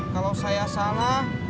kalau saya salah